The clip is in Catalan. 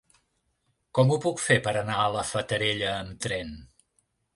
Com ho puc fer per anar a la Fatarella amb tren?